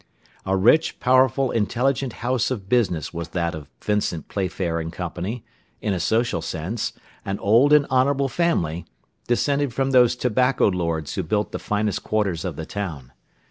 A rich, powerful, intelligent house of business was that of Vincent Playfair & Co., in a social sense, an old and honourable family, descended from those tobacco lords who built the finest quarters of the town.